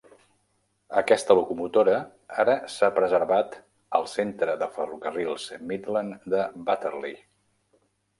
Aquesta locomotora ara s'ha preservat al Centre de Ferrocarrils Midland de Butterley.